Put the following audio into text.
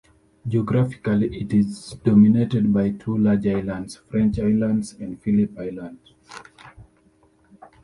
Geographically, it is dominated by the two large islands; French Island and Phillip Island.